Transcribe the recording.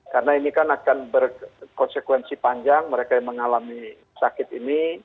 karena ini kan akan berkonsekuensi panjang mereka yang mengalami sakit ini